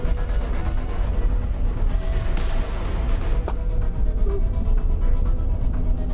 นั่งมอบลงไปมอบลงไปเลย